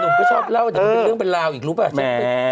ก็ชอบเล่าแต่มันเป็นเรื่องเป็นราวอีกรู้ป่ะ